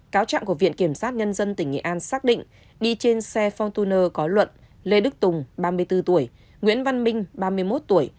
cáo trạng của viện kiểm sát nhân dân tỉnh nghệ an xác định đi trên xe fortuner có luận lê đức tùng ba mươi bốn tuổi nguyễn văn minh ba mươi một tuổi